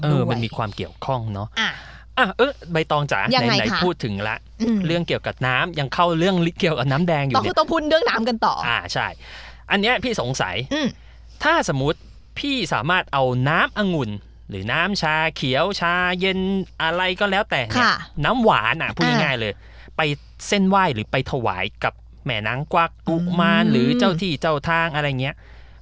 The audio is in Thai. เออมันมีความเกี่ยวข้องเนาะอ่ะเออในไหนพูดถึงแล้วเรื่องเกี่ยวกับน้ำยังเข้าเรื่องเกี่ยวกับน้ำแดงอยู่เนี่ยต้องพูดเรื่องน้ำกันต่ออ่าใช่อันเนี้ยพี่สงสัยอืมถ้าสมมุติพี่สามารถเอาน้ำอังุ่นหรือน้ำชาเขียวชาเย็นอะไรก็แล้วแต่ค่ะน้ำหวานอ่ะพูดง่ายง่ายเลยไปเส้นว่ายหรือไปถวาย